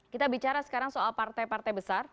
kita bicara sekarang soal partai partai besar